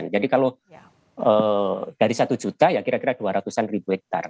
jadi kalau dari satu juta ya kira kira dua ratusan ribu hektare